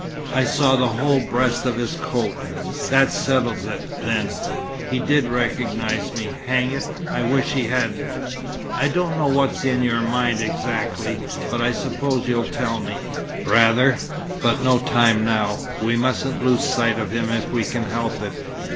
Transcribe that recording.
I saw the whole breast of his coat." "That settles it, then. He did recognize me. Hang it, I wish he hadn't." "I don't know what's in your mind exactly. But I suppose you'll tell me." "Rather. But no time now. We mustn't lose sight of him if we can help it.